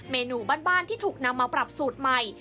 เมนูบ้านที่ถูกนำมาปรับสูตรใหม่